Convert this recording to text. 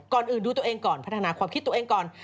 ก่อนอื่นดูตัวเองก่อนพัฒนาความคิดตัวเองก่อน